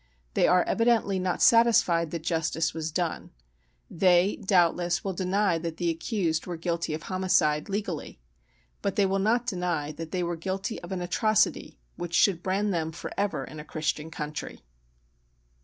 They are evidently not satisfied that justice was done; they doubtless will deny that the accused were guilty of homicide, legally; but they will not deny that they were guilty of an atrocity which should brand them forever, in a Christian country.